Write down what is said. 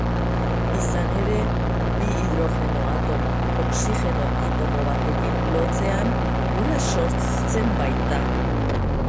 Izan ere, bi Hidrogeno atomo Oxigeno atomo batekin lotzean ura sortzen baita.